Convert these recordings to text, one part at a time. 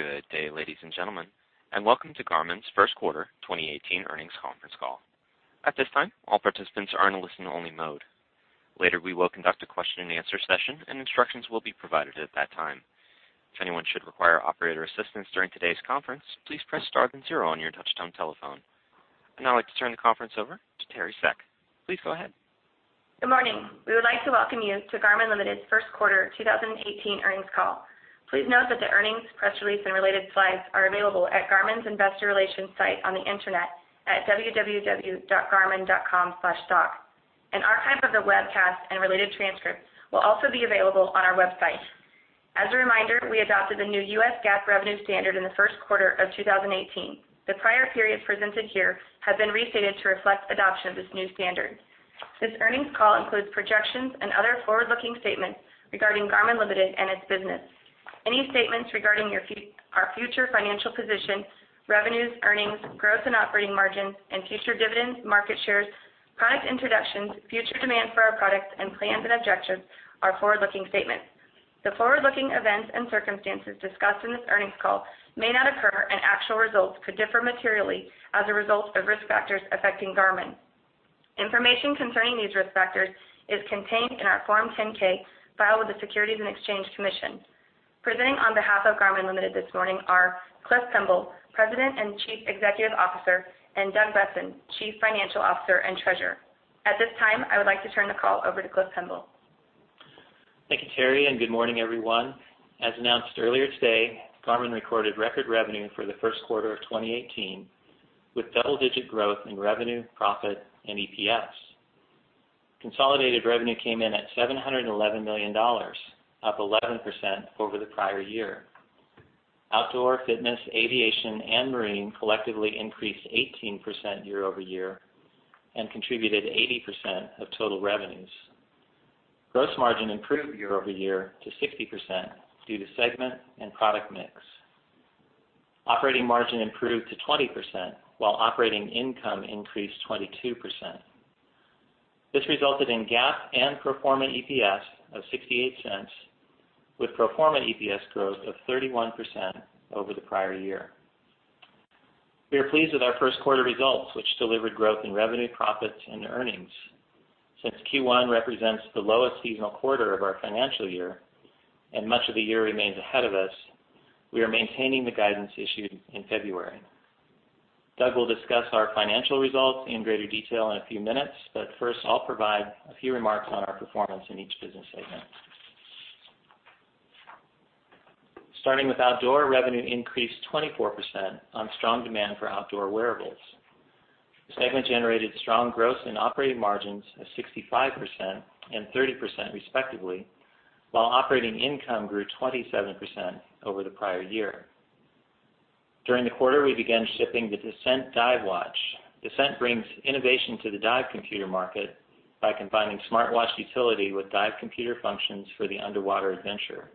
Good day, ladies and gentlemen, and welcome to Garmin's first quarter 2018 earnings conference call. At this time, all participants are in a listen-only mode. Later, we will conduct a question and answer session and instructions will be provided at that time. If anyone should require operator assistance during today's conference, please press star then zero on your touch-tone telephone. I'd now like to turn the conference over to Teri Seck. Please go ahead. Good morning. We would like to welcome you to Garmin Ltd.'s first quarter 2018 earnings call. Please note that the earnings, press release, and related slides are available at Garmin's investor relations site on the Internet at www.garmin.com/stock. An archive of the webcast and related transcript will also be available on our website. As a reminder, we adopted the new US GAAP revenue standard in the first quarter of 2018. The prior periods presented here have been restated to reflect adoption of this new standard. This earnings call includes projections and other forward-looking statements regarding Garmin Ltd. and its business. Any statements regarding our future financial position, revenues, earnings, gross and operating margins and future dividends, market shares, product introductions, future demand for our products, and plans and objectives are forward-looking statements. The forward-looking events and circumstances discussed in this earnings call may not occur, and actual results could differ materially as a result of risk factors affecting Garmin. Information concerning these risk factors is contained in our Form 10-K filed with the Securities and Exchange Commission. Presenting on behalf of Garmin Ltd. this morning are Clifton Pemble, President and Chief Executive Officer, and Douglas Boessen, Chief Financial Officer and Treasurer. At this time, I would like to turn the call over to Clifton Pemble. Thank you, Teri, and good morning, everyone. As announced earlier today, Garmin recorded record revenue for the first quarter of 2018, with double-digit growth in revenue, profit and EPS. Consolidated revenue came in at $711 million, up 11% over the prior year. Outdoor, fitness, aviation, and marine collectively increased 18% year-over-year and contributed 80% of total revenues. Gross margin improved year-over-year to 60% due to segment and product mix. Operating margin improved to 20%, while operating income increased 22%. This resulted in GAAP and pro forma EPS of $0.68, with pro forma EPS growth of 31% over the prior year. We are pleased with our first quarter results, which delivered growth in revenue, profits and earnings. Since Q1 represents the lowest seasonal quarter of our financial year, and much of the year remains ahead of us, we are maintaining the guidance issued in February. Doug will discuss our financial results in greater detail in a few minutes, but first, I'll provide a few remarks on our performance in each business segment. Starting with outdoor, revenue increased 24% on strong demand for outdoor wearables. The segment generated strong gross and operating margins of 65% and 30% respectively, while operating income grew 27% over the prior year. During the quarter, we began shipping the Descent dive watch. Descent brings innovation to the dive computer market by combining smartwatch utility with dive computer functions for the underwater adventure.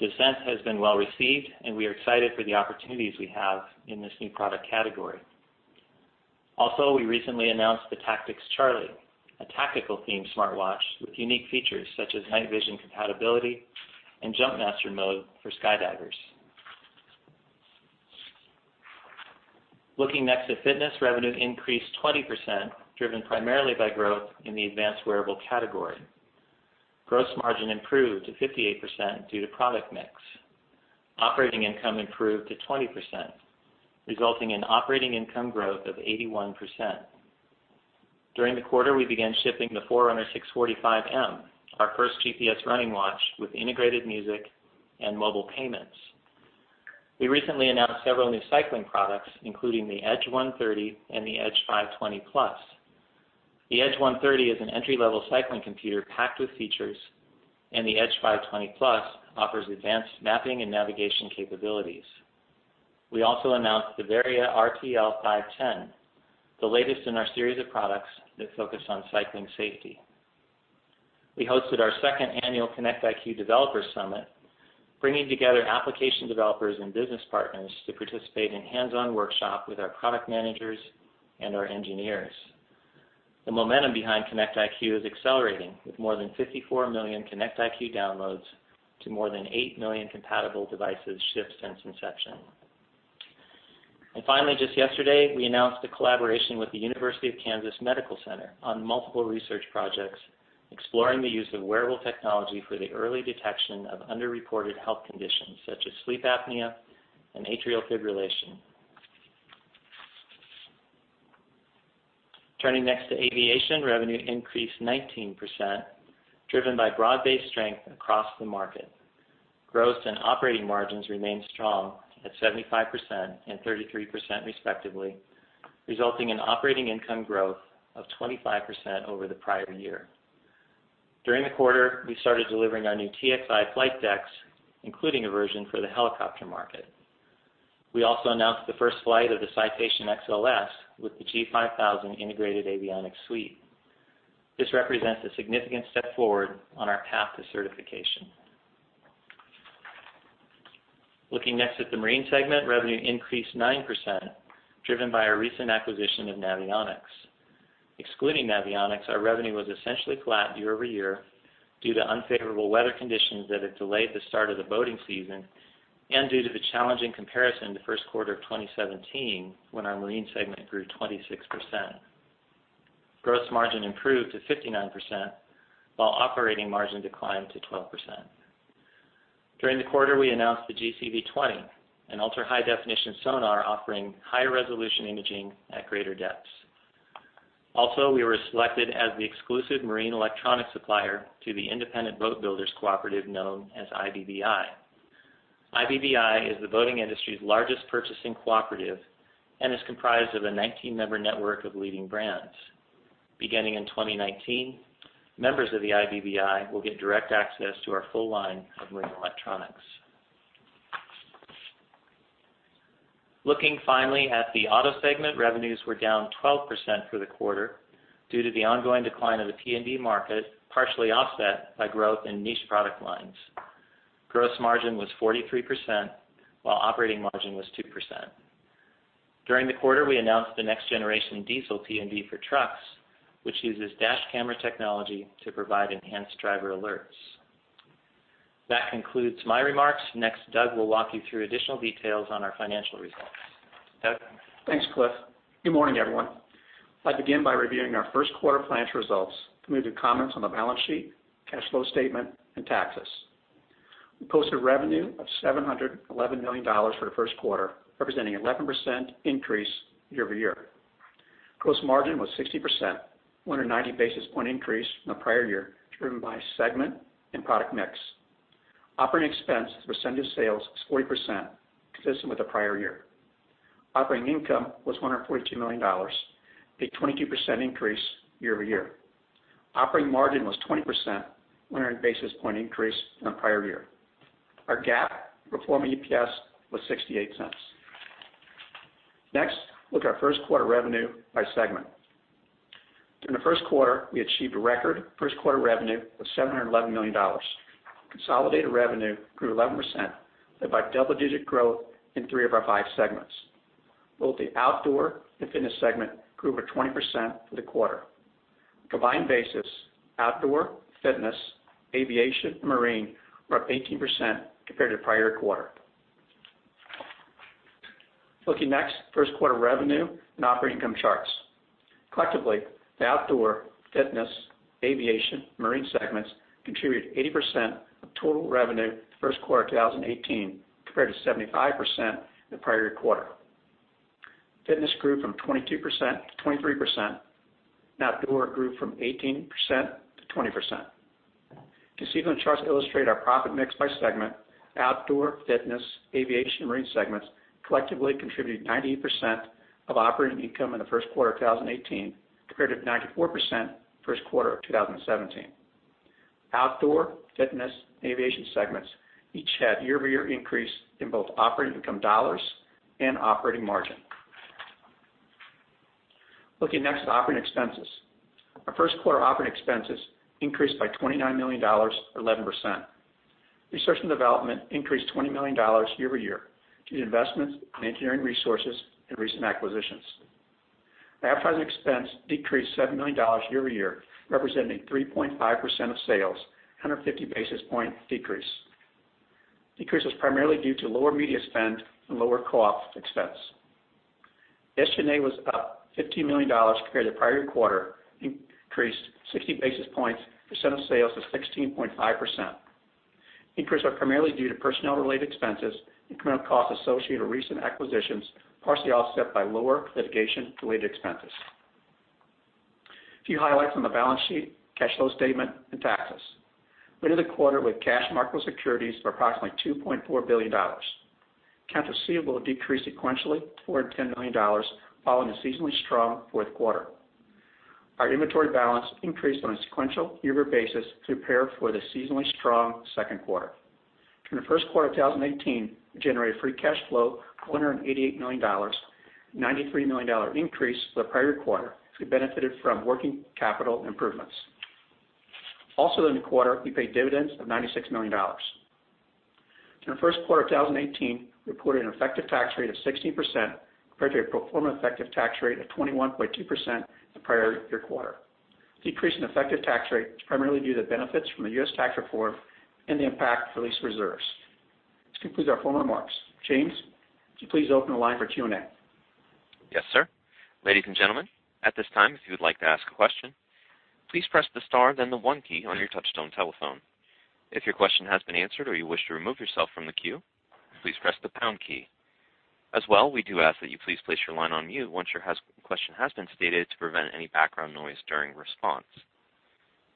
Descent has been well received, and we are excited for the opportunities we have in this new product category. Also, we recently announced the tactix Charlie, a tactical-themed smartwatch with unique features such as night vision compatibility and jumpmaster mode for skydivers. Looking next at fitness, revenue increased 20%, driven primarily by growth in the advanced wearable category. Gross margin improved to 58% due to product mix. Operating income improved to 20%, resulting in operating income growth of 81%. During the quarter, we began shipping the Forerunner 645M, our first GPS running watch with integrated music and mobile payments. We recently announced several new cycling products, including the Edge 130 and the Edge 520 Plus. The Edge 130 is an entry-level cycling computer packed with features, and the Edge 520 Plus offers advanced mapping and navigation capabilities. We also announced the Varia RTL510, the latest in our series of products that focus on cycling safety. We hosted our second annual Connect IQ Developer Summit, bringing together application developers and business partners to participate in hands-on workshop with our product managers and our engineers. The momentum behind Connect IQ is accelerating, with more than 54 million Connect IQ downloads to more than eight million compatible devices shipped since inception. Finally, just yesterday, we announced a collaboration with the University of Kansas Medical Center on multiple research projects exploring the use of wearable technology for the early detection of underreported health conditions such as sleep apnea and atrial fibrillation. Turning next to aviation, revenue increased 19%, driven by broad-based strength across the market. Gross and operating margins remained strong at 75% and 33% respectively, resulting in operating income growth of 25% over the prior year. During the quarter, we started delivering our new TXi flight decks, including a version for the helicopter market. We also announced the first flight of the Citation XLS with the G5000 integrated avionics suite. This represents a significant step forward on our path to certification. Looking next at the marine segment, revenue increased 9%, driven by our recent acquisition of Navionics. Excluding Navionics, our revenue was essentially flat year-over-year due to unfavorable weather conditions that have delayed the start of the boating season and due to the challenging comparison in the first quarter of 2017, when our Marine segment grew 26%. Gross margin improved to 59%, while operating margin declined to 12%. During the quarter, we announced the GCV 20, an ultra-high-definition sonar offering higher resolution imaging at greater depths. Also, we were selected as the exclusive marine electronics supplier to the Independent Boat Builders Cooperative, known as IBBI. IBBI is the boating industry's largest purchasing cooperative and is comprised of a 19-member network of leading brands. Beginning in 2019, members of the IBBI will get direct access to our full line of marine electronics. Looking finally at the Auto segment, revenues were down 12% for the quarter due to the ongoing decline of the PND market, partially offset by growth in niche product lines. Gross margin was 43%, while operating margin was 2%. During the quarter, we announced the next generation dēzl PND for trucks, which uses dash camera technology to provide enhanced driver alerts. That concludes my remarks. Next, Doug will walk you through additional details on our financial results. Doug? Thanks, Cliff. Good morning, everyone. I begin by reviewing our first quarter financial results, moving to comments on the balance sheet, cash flow statement, and taxes. We posted revenue of $711 million for the first quarter, representing 11% increase year-over-year. Gross margin was 60%, 190 basis point increase from the prior year, driven by segment and product mix. Operating expense as a percent of sales was 40%, consistent with the prior year. Operating income was $142 million, a 22% increase year-over-year. Operating margin was 20%, 100 basis point increase from prior year. Our GAAP and pro forma EPS was $0.68. Next, look at our first quarter revenue by segment. During the first quarter, we achieved a record first quarter revenue of $711 million. Consolidated revenue grew 11%, led by double-digit growth in three of our five segments. Both the Outdoor and Fitness segment grew over 20% for the quarter. Combined basis, Outdoor, Fitness, Aviation, and Marine were up 18% compared to the prior quarter. Looking next, first quarter revenue and operating income charts. Collectively, the Outdoor, Fitness, Aviation, and Marine segments contributed 80% of total revenue the first quarter of 2018 compared to 75% in the prior year quarter. Fitness grew from 22% to 23%, and Outdoor grew from 18% to 20%. The sequential charts illustrate our profit mix by segment. Outdoor, Fitness, Aviation, and Marine segments collectively contributed 98% of operating income in the first quarter of 2018, compared to 94% first quarter of 2017. Outdoor, Fitness, and Aviation segments each had year-over-year increase in both operating income dollars and operating margin. Looking next at operating expenses. Our first quarter operating expenses increased by $29 million or 11%. Research and development increased $20 million year-over-year due to investments in engineering resources and recent acquisitions. Advertising expense decreased $7 million year-over-year, representing 3.5% of sales, 150 basis point decrease. Decrease was primarily due to lower media spend and lower co-op expense. SG&A was up $15 million compared to the prior quarter, increased 60 basis points. Percent of sales was 16.5%. Increases are primarily due to personnel-related expenses, incremental costs associated with recent acquisitions, partially offset by lower litigation-related expenses. A few highlights on the balance sheet, cash flow statement, and taxes. We ended the quarter with cash and marketable securities of approximately $2.4 billion. Accounts receivable decreased sequentially, $410 million, following a seasonally strong fourth quarter. Our inventory balance increased on a sequential year-over-year basis to prepare for the seasonally strong second quarter. During the first quarter of 2018, we generated free cash flow of $488 million, a $93 million increase from the prior quarter as we benefited from working capital improvements. Also, during the quarter, we paid dividends of $96 million. During the first quarter of 2018, we reported an effective tax rate of 16% compared to a pro forma effective tax rate of 21.2% the prior year quarter. Decrease in effective tax rate is primarily due to benefits from the U.S. tax reform and the impact of released reserves. This concludes our formal remarks. James, would you please open the line for Q&A? Yes, sir. Ladies and gentlemen, at this time, if you would like to ask a question, please press the star then the one key on your touchtone telephone. If your question has been answered or you wish to remove yourself from the queue, please press the pound key. We do ask that you please place your line on mute once your question has been stated to prevent any background noise during response.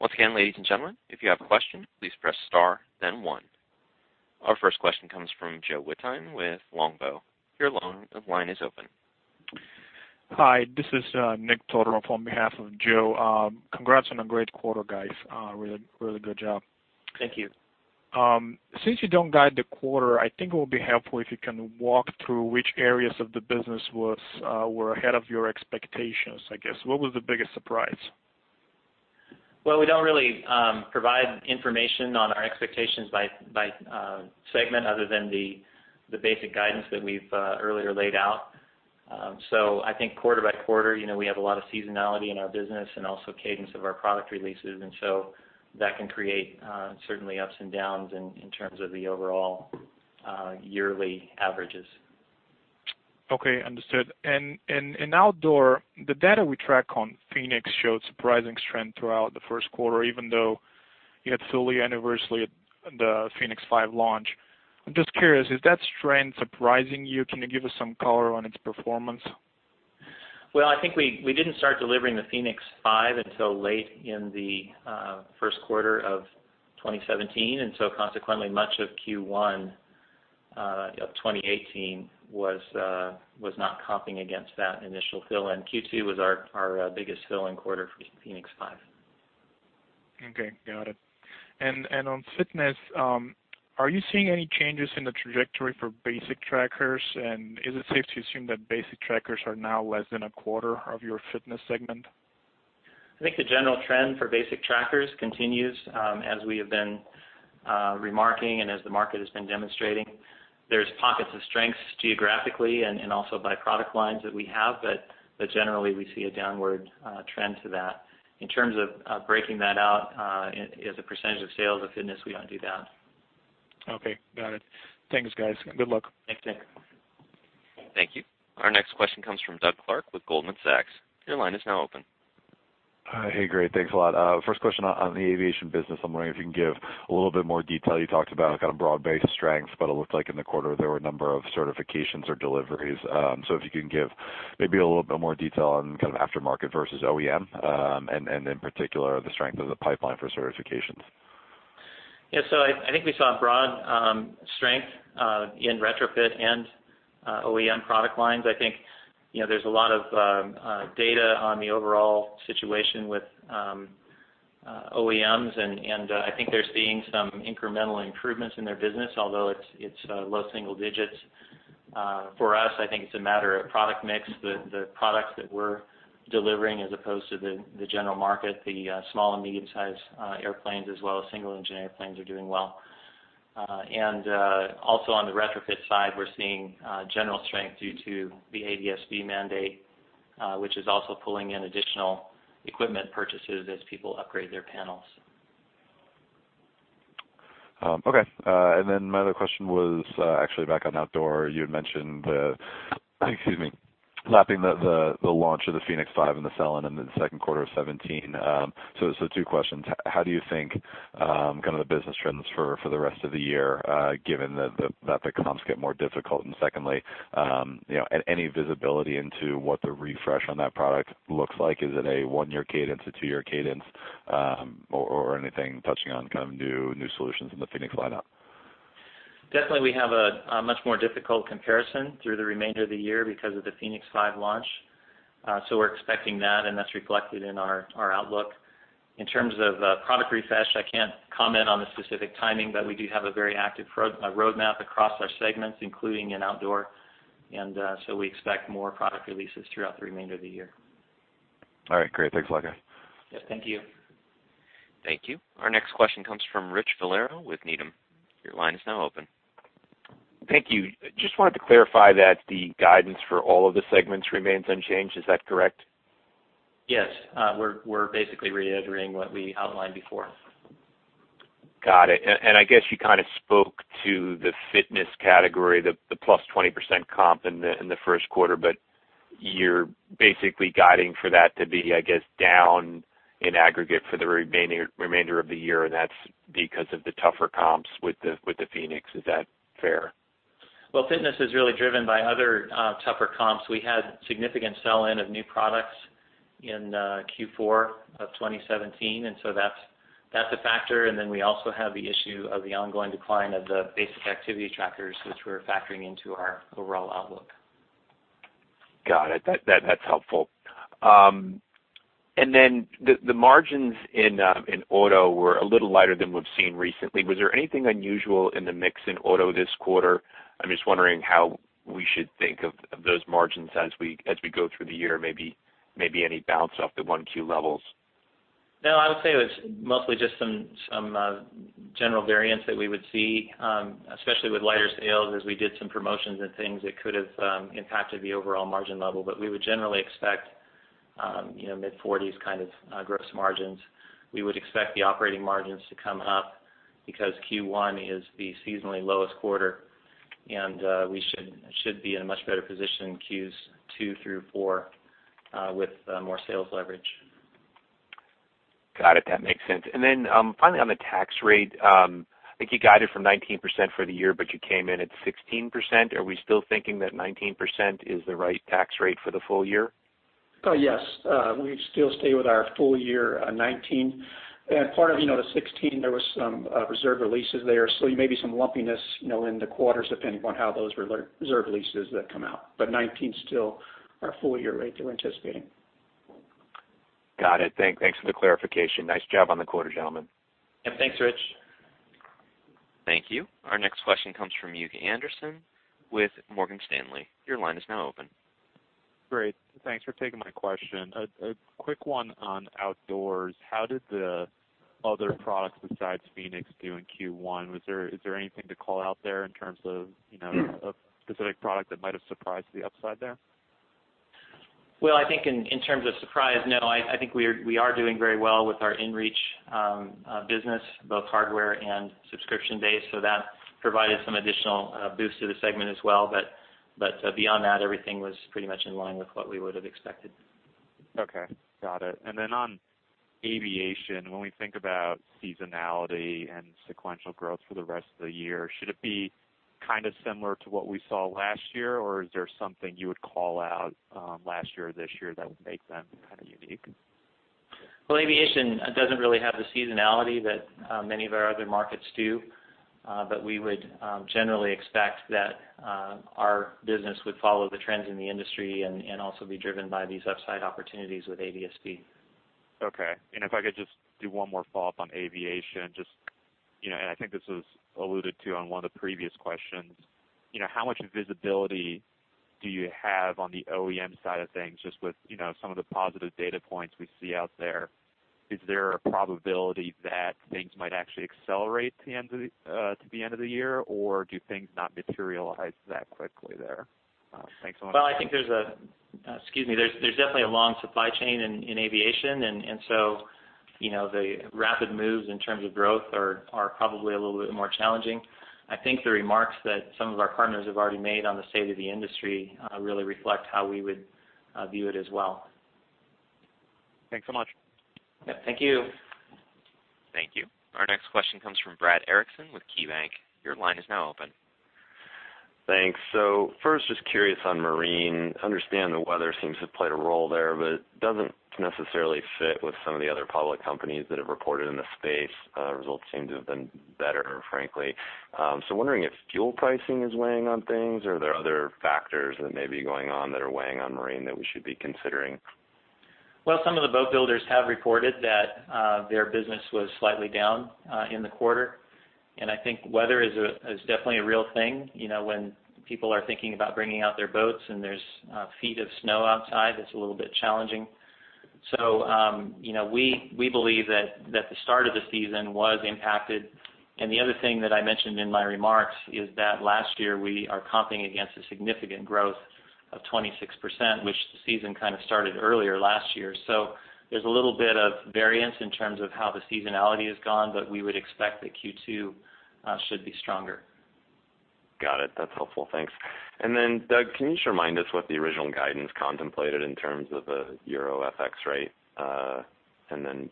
Once again, ladies and gentlemen, if you have a question, please press star then one. Our first question comes from Joe Wittine with Longbow. Your line is open. Hi, this is Nikolay Todorov on behalf of Joe. Congrats on a great quarter, guys. Really good job. Thank you. Since you don't guide the quarter, I think it will be helpful if you can walk through which areas of the business were ahead of your expectations, I guess. What was the biggest surprise? Well, we don't really provide information on our expectations by segment other than the basic guidance that we've earlier laid out. I think quarter by quarter, we have a lot of seasonality in our business and also cadence of our product releases, so that can create certainly ups and downs in terms of the overall yearly averages. Okay, understood. In outdoor, the data we track on fēnix shows surprising strength throughout the first quarter, even though you had fully anniversaried the fēnix 5 launch. I'm just curious, is that strength surprising you? Can you give us some color on its performance? Well, I think we didn't start delivering the fēnix 5 until late in the first quarter of 2017, consequently, much of Q1 of 2018 was not comping against that initial fill, Q2 was our biggest fill-in quarter for fēnix 5. Okay, got it. On fitness, are you seeing any changes in the trajectory for basic trackers? Is it safe to assume that basic trackers are now less than a quarter of your fitness segment? I think the general trend for basic trackers continues, as we have been remarking and as the market has been demonstrating. There's pockets of strengths geographically and also by product lines that we have, but generally, we see a downward trend to that. In terms of breaking that out as a percentage of sales of fitness, we don't do that. Okay, got it. Thanks, guys. Good luck. Thanks. Thank you. Our next question comes from Doug Clark with Goldman Sachs. Your line is now open. Hey, great. Thanks a lot. First question on the aviation business, I'm wondering if you can give a little bit more detail. You talked about broad-based strengths, but it looked like in the quarter, there were a number of certifications or deliveries. If you can give maybe a little bit more detail on kind of aftermarket versus OEM, and in particular, the strength of the pipeline for certifications. Yeah. I think we saw broad strength in retrofit and OEM product lines. I think there's a lot of data on the overall situation with OEMs, and I think they're seeing some incremental improvements in their business, although it's low single digits. For us, I think it's a matter of product mix, the products that we're delivering as opposed to the general market, the small and medium-sized airplanes as well as single-engine airplanes are doing well. Also on the retrofit side, we're seeing general strength due to the ADS-B mandate, which is also pulling in additional equipment purchases as people upgrade their panels. Okay. My other question was actually back on outdoor. You had mentioned, excuse me. Lapping the launch of the fēnix 5 and the sell-in in the second quarter of 2017. Two questions. How do you think the business trends for the rest of the year, given that the comps get more difficult? Secondly, any visibility into what the refresh on that product looks like? Is it a one-year cadence, a two-year cadence, or anything touching on kind of new solutions in the fēnix lineup? Definitely, we have a much more difficult comparison through the remainder of the year because of the fēnix 5 launch. We're expecting that, and that's reflected in our outlook. In terms of product refresh, I can't comment on the specific timing, but we do have a very active roadmap across our segments, including in outdoor, and we expect more product releases throughout the remainder of the year. All right, great. Thanks a lot, guys. Yes, thank you. Thank you. Our next question comes from Rich Valera with Needham. Your line is now open. Thank you. Just wanted to clarify that the guidance for all of the segments remains unchanged. Is that correct? Yes. We're basically reiterating what we outlined before. Got it. I guess you kind of spoke to the fitness category, the +20% comp in the first quarter. You're basically guiding for that to be, I guess, down in aggregate for the remainder of the year. That's because of the tougher comps with the fēnix. Is that fair? Well, fitness is really driven by other tougher comps. We had significant sell-in of new products in Q4 of 2017. That's a factor. We also have the issue of the ongoing decline of the basic activity trackers, which we're factoring into our overall outlook. Got it. That's helpful. The margins in auto were a little lighter than we've seen recently. Was there anything unusual in the mix in auto this quarter? I'm just wondering how we should think of those margins as we go through the year, maybe any bounce off the 1Q levels. No, I would say it was mostly just some general variance that we would see, especially with lighter sales as we did some promotions and things that could have impacted the overall margin level. We would generally expect mid-40s kind of gross margins. We would expect the operating margins to come up because Q1 is the seasonally lowest quarter, and we should be in a much better position in Qs two through four with more sales leverage. Got it. That makes sense. Finally on the tax rate, I think you guided from 19% for the year, but you came in at 16%. Are we still thinking that 19% is the right tax rate for the full year? Yes. We still stay with our full year, 19%. Part of the 16%, there was some reserve releases there, so maybe some lumpiness in the quarters, depending on how those reserve releases that come out. 19% still our full-year rate we're anticipating. Got it. Thanks for the clarification. Nice job on the quarter, gentlemen. Yeah. Thanks, Rich. Thank you. Our next question comes from Hugh Anderson with Morgan Stanley. Your line is now open. Great. Thanks for taking my question. A quick one on outdoors. How did the other products besides fēnix do in Q1? Is there anything to call out there in terms of? Yeah A specific product that might have surprised the upside there? Well, I think in terms of surprise, no. I think we are doing very well with our inReach business, both hardware and subscription-based. That provided some additional boost to the segment as well, beyond that, everything was pretty much in line with what we would have expected. Okay. Got it. Then on aviation, when we think about seasonality and sequential growth for the rest of the year, should it be kind of similar to what we saw last year, or is there something you would call out last year or this year that would make them kind of unique? Well, aviation doesn't really have the seasonality that many of our other markets do. We would generally expect that our business would follow the trends in the industry and also be driven by these upside opportunities with ADS-B. Okay. If I could just do one more follow-up on aviation. I think this was alluded to on one of the previous questions. How much visibility do you have on the OEM side of things, just with some of the positive data points we see out there? Is there a probability that things might actually accelerate to the end of the year, or do things not materialize that quickly there? Thanks so much. Well, I think there's definitely a long supply chain in aviation, the rapid moves in terms of growth are probably a little bit more challenging. I think the remarks that some of our partners have already made on the state of the industry really reflect how we would view it as well. Thanks so much. Yeah. Thank you. Thank you. Our next question comes from Brad Erickson with KeyBank. Your line is now open. Thanks. First, just curious on marine. Understand the weather seems to have played a role there, it doesn't necessarily fit with some of the other public companies that have reported in the space. Results seem to have been better, frankly. Wondering if fuel pricing is weighing on things, or are there other factors that may be going on that are weighing on marine that we should be considering? Well, some of the boat builders have reported that their business was slightly down in the quarter, I think weather is definitely a real thing. When people are thinking about bringing out their boats and there's feet of snow outside, it's a little bit challenging. We believe that the start of the season was impacted. The other thing that I mentioned in my remarks is that last year we are comping against a significant growth of 26%, which the season kind of started earlier last year. There's a little bit of variance in terms of how the seasonality has gone, we would expect that Q2 should be stronger. Got it. That's helpful. Thanks. Doug, can you just remind us what the original guidance contemplated in terms of the Euro FX rate?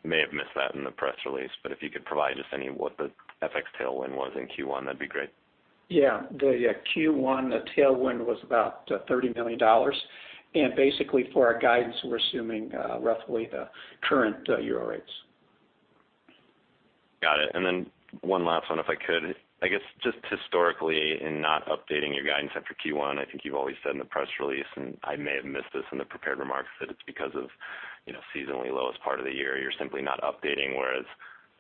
May have missed that in the press release, if you could provide just any what the FX tailwind was in Q1, that'd be great. Yeah. The Q1 tailwind was about $30 million. Basically, for our guidance, we're assuming roughly the current Euro rates. Got it. One last one, if I could. I guess, just historically, in not updating your guidance after Q1, I think you've always said in the press release, and I may have missed this in the prepared remarks, that it's because of seasonally lowest part of the year, you're simply not updating, whereas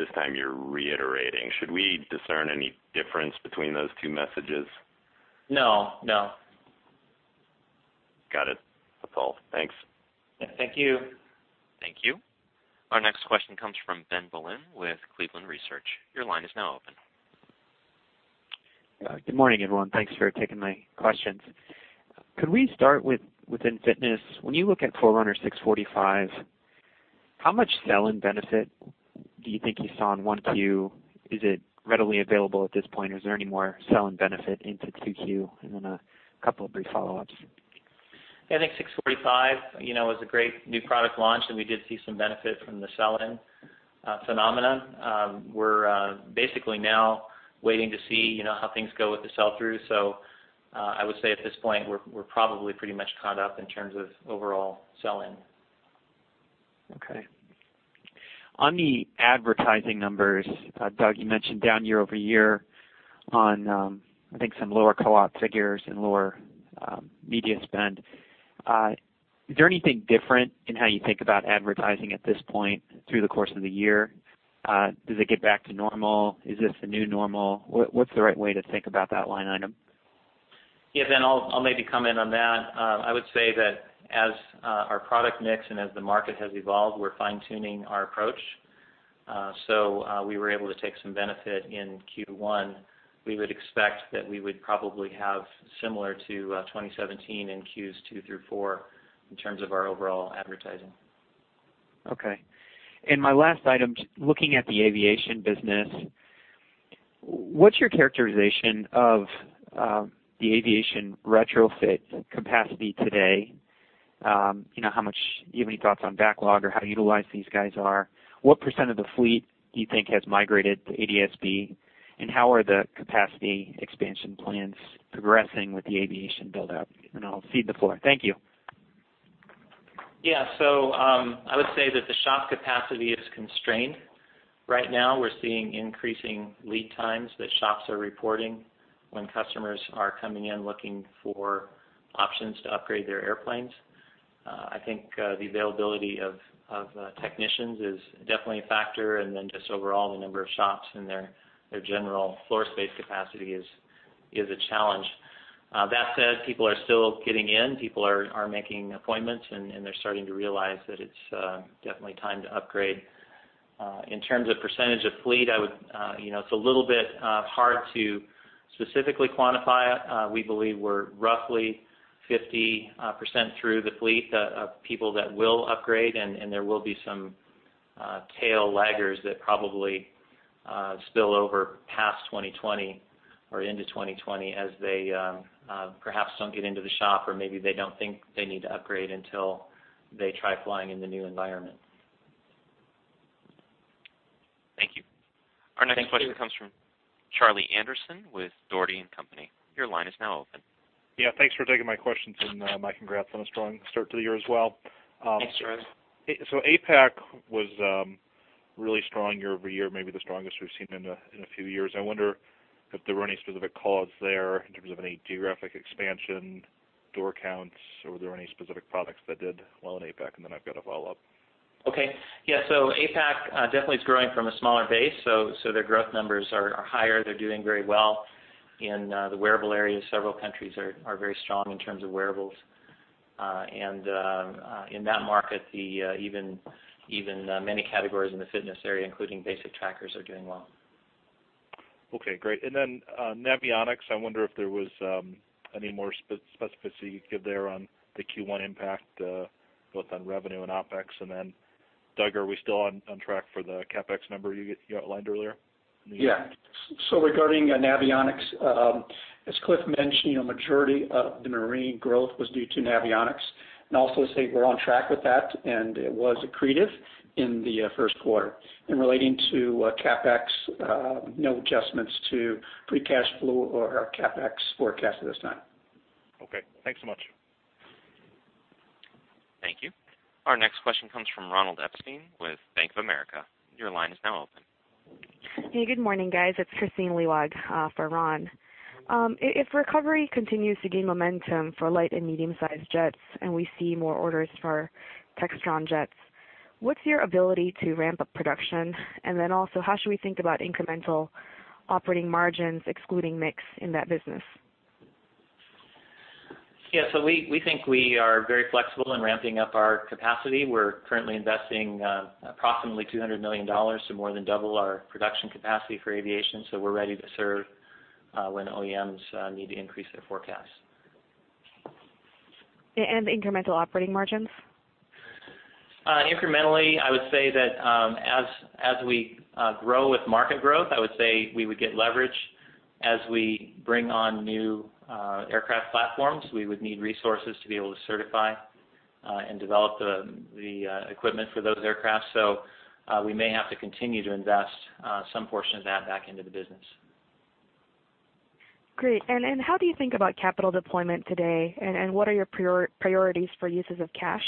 this time you're reiterating. Should we discern any difference between those two messages? No. Got it. That's all. Thanks. Yeah. Thank you. Thank you. Our next question comes from Ben Bollin with Cleveland Research. Your line is now open. Good morning, everyone. Thanks for taking my questions. Could we start within fitness? When you look at Forerunner 645, how much sell-in benefit do you think you saw in 1Q? Is it readily available at this point, or is there any more sell-in benefit into 2Q? A couple of brief follow-ups. I think 645 was a great new product launch. We did see some benefit from the sell-in phenomenon. We're basically now waiting to see how things go with the sell-through. I would say at this point, we're probably pretty much caught up in terms of overall sell-in. Okay. On the advertising numbers, Doug, you mentioned down year-over-year on, I think, some lower co-op figures and lower media spend. Is there anything different in how you think about advertising at this point through the course of the year? Does it get back to normal? Is this the new normal? What's the right way to think about that line item? Yeah, Ben, I'll maybe comment on that. I would say that as our product mix and as the market has evolved, we're fine-tuning our approach. We were able to take some benefit in Q1. We would expect that we would probably have similar to 2017 in Qs 2 through 4 in terms of our overall advertising. My last item, looking at the aviation business, what's your characterization of the aviation retrofit capacity today? Do you have any thoughts on backlog or how utilized these guys are? What percent of the fleet do you think has migrated to ADS-B, and how are the capacity expansion plans progressing with the aviation buildup? I'll cede the floor. Thank you. Yeah. I would say that the shop capacity is constrained. Right now, we're seeing increasing lead times that shops are reporting. When customers are coming in looking for options to upgrade their airplanes, I think the availability of technicians is definitely a factor, and then just overall the number of shops and their general floor space capacity is a challenge. That said, people are still getting in, people are making appointments, and they're starting to realize that it's definitely time to upgrade. In terms of percentage of fleet, it's a little bit hard to specifically quantify. We believe we're roughly 50% through the fleet of people that will upgrade, and there will be some tail laggers that probably spill over past 2020 or into 2020 as they perhaps don't get into the shop, or maybe they don't think they need to upgrade until they try flying in the new environment. Thank you. Thank you. Our next question comes from Charlie Anderson with Dougherty & Company. Your line is now open. Yeah. Thanks for taking my questions, and my congrats on a strong start to the year as well. Thanks, Charlie. APAC was really strong year-over-year, maybe the strongest we've seen in a few years. I wonder if there were any specific cause there in terms of any geographic expansion door counts, or were there any specific products that did well in APAC? I've got a follow-up. APAC definitely is growing from a smaller base. Their growth numbers are higher. They're doing very well in the wearable area. Several countries are very strong in terms of wearables. In that market, even many categories in the fitness area, including basic trackers, are doing well. Navionics, I wonder if there was any more specificity you could give there on the Q1 impact both on revenue and OpEx. Doug, are we still on track for the CapEx number you outlined earlier? Regarding Navionics, as Cliff mentioned, a majority of the marine growth was due to Navionics, and also say we're on track with that, and it was accretive in the first quarter. Relating to CapEx, no adjustments to free cash flow or our CapEx forecast at this time. Okay. Thanks so much. Thank you. Our next question comes from Ronald Epstein with Bank of America. Your line is now open. Hey, good morning, guys. It's Kristine Liwag for Ron. If recovery continues to gain momentum for light and medium-sized jets, and we see more orders for Textron jets, what's your ability to ramp up production? Then also, how should we think about incremental operating margins excluding mix in that business? Yeah. We think we are very flexible in ramping up our capacity. We're currently investing approximately $200 million to more than double our production capacity for aviation. We're ready to serve when OEMs need to increase their forecasts. Incremental operating margins? Incrementally, I would say that as we grow with market growth, I would say we would get leverage as we bring on new aircraft platforms. We would need resources to be able to certify and develop the equipment for those aircraft. We may have to continue to invest some portion of that back into the business. Great. How do you think about capital deployment today, and what are your priorities for uses of cash?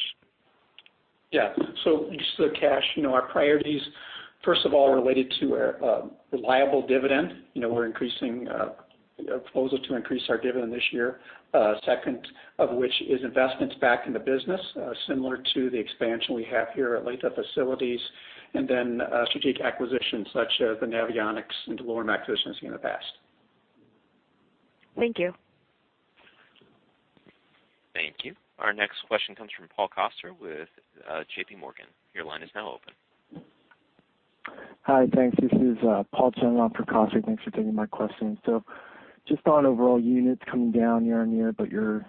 Yeah. Use of the cash, our priorities, first of all, related to a reliable dividend. We're increasing our proposal to increase our dividend this year. Second of which is investments back in the business, similar to the expansion we have here at Lake facilities, and then strategic acquisitions such as the Navionics and DeLorme acquisitions in the past. Thank you. Thank you. Our next question comes from Paul Coster with JP Morgan. Your line is now open. Hi. Thanks. This is Paul Chung on for Coster. Thanks for taking my question. Just on overall units coming down year-on-year, but your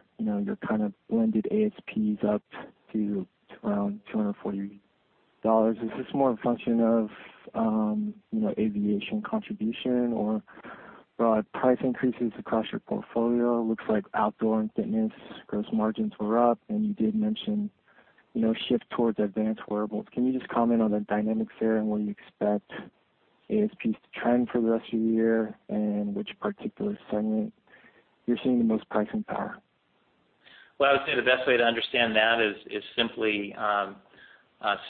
kind of blended ASPs up to around $240. Is this more a function of aviation contribution or broad price increases across your portfolio? Looks like outdoor and fitness gross margins were up, and you did mention shift towards advanced wearables. Can you just comment on the dynamics there and where you expect ASPs to trend for the rest of the year, and which particular segment you're seeing the most pricing power? Well, I would say the best way to understand that is simply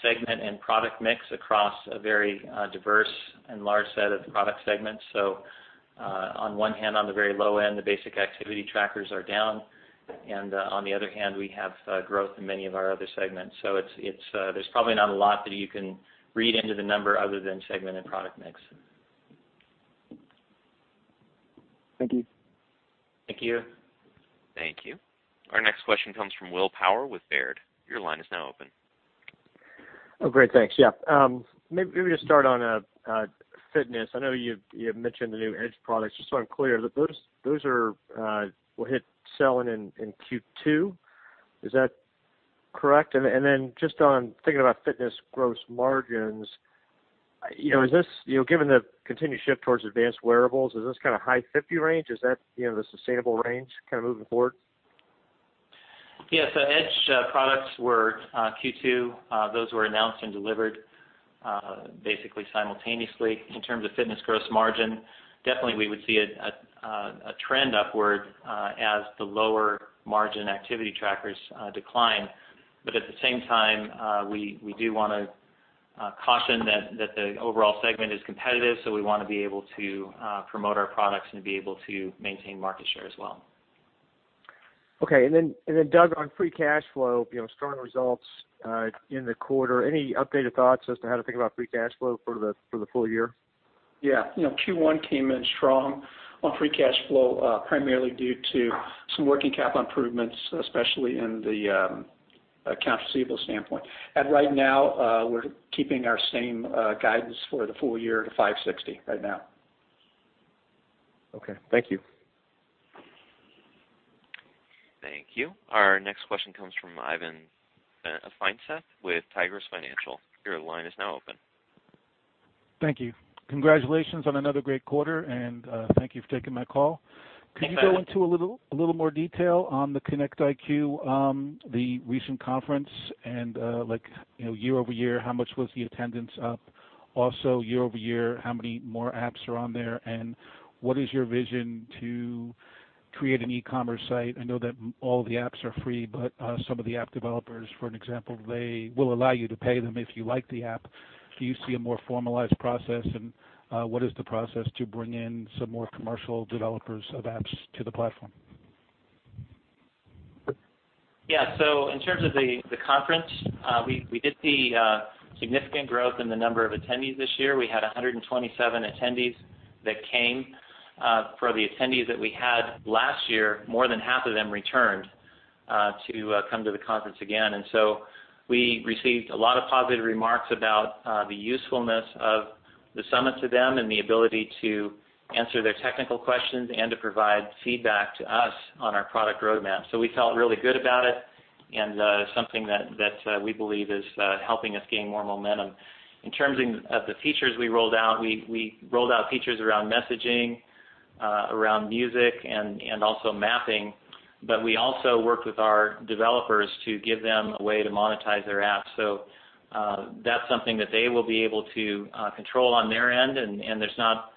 segment and product mix across a very diverse and large set of product segments. On one hand, on the very low end, the basic activity trackers are down, and on the other hand, we have growth in many of our other segments. There's probably not a lot that you can read into the number other than segment and product mix. Thank you. Thank you. Thank you. Our next question comes from William Power with Baird. Your line is now open. Oh, great. Thanks. Yeah. Maybe just start on fitness. I know you had mentioned the new Edge products. Just so I'm clear, those will hit selling in Q2, is that correct? Then just on thinking about fitness gross margins, given the continued shift towards advanced wearables, is this kind of high 50 range? Is that the sustainable range kind of moving forward? Yes. Edge products were Q2. Those were announced and delivered basically simultaneously. In terms of fitness gross margin, definitely we would see a trend upward as the lower margin activity trackers decline. At the same time, we do want to caution that the overall segment is competitive, we want to be able to promote our products and be able to maintain market share as well. Okay. Doug, on free cash flow, strong results in the quarter. Any updated thoughts as to how to think about free cash flow for the full year? Yeah. Q1 came in strong on free cash flow primarily due to some working capital improvements, especially in the accounts receivable standpoint. Right now, we're keeping our same guidance for the full year to $560 right now. Okay. Thank you. Thank you. Our next question comes from Ivan Feinseth with Tigress Financial. Your line is now open. Thank you. Congratulations on another great quarter, and thank you for taking my call. You bet. Could you go into a little more detail on the Connect IQ, the recent conference, and year-over-year, how much was the attendance up? Also, year-over-year, how many more apps are on there, and what is your vision to create an e-commerce site? I know that all the apps are free, but some of the app developers, for an example, they will allow you to pay them if you like the app. Do you see a more formalized process, and what is the process to bring in some more commercial developers of apps to the platform? Yeah. In terms of the conference, we did see significant growth in the number of attendees this year. We had 127 attendees that came. For the attendees that we had last year, more than half of them returned to come to the conference again. We received a lot of positive remarks about the usefulness of the summit to them and the ability to answer their technical questions and to provide feedback to us on our product roadmap. We felt really good about it, and something that we believe is helping us gain more momentum. In terms of the features we rolled out, we rolled out features around messaging, around music, and also mapping. We also worked with our developers to give them a way to monetize their apps. That's something that they will be able to control on their end, and there's not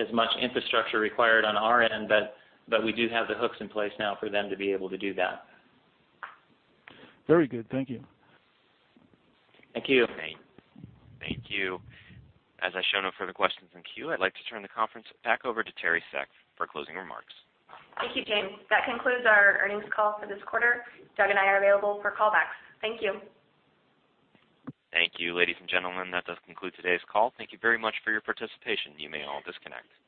as much infrastructure required on our end. We do have the hooks in place now for them to be able to do that. Very good. Thank you. Thank you. Thank you. As I show no further questions in queue, I'd like to turn the conference back over to Teri Seck for closing remarks. Thank you, James. That concludes our earnings call for this quarter. Doug and I are available for callbacks. Thank you. Thank you, ladies and gentlemen. That does conclude today's call. Thank you very much for your participation. You may all disconnect.